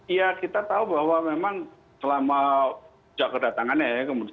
ya kita tahu bahwa memang selama sejak kedatangannya ya